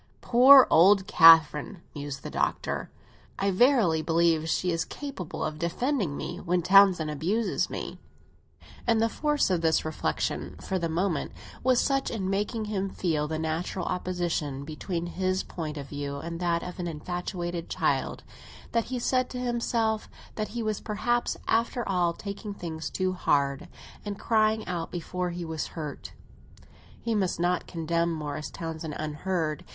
Poor old Catherine!" mused the Doctor; "I verily believe she is capable of defending me when Townsend abuses me!" And the force of this reflexion, for the moment, was such in making him feel the natural opposition between his point of view and that of an infatuated child, that he said to himself that he was perhaps, after all, taking things too hard and crying out before he was hurt. He must not condemn Morris Townsend unheard.